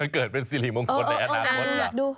เกิดเป็นสิริมงคลในอนาคตล่ะ